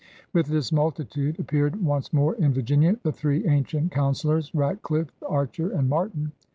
'' With this multitude appeared once more in Virginia the three ancient councilors — Ratdiffe, Archer, and Martin.